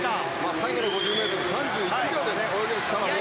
最後の５０ｍ、３１秒で泳げる力を持ってます。